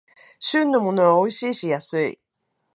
旬のものはおいしいし安い